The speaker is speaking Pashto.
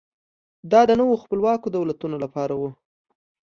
دا د نویو خپلواکو دولتونو لپاره و.